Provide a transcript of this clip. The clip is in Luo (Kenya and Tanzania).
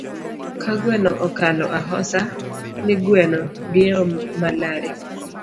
Ka gweno okalo ahosa, ni gweno diewo malare